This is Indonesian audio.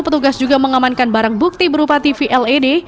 petugas juga mengamankan barang bukti berupa tv led